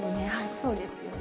そうですよね。